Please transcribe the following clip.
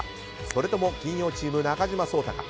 それとも金曜チーム、中島颯太か。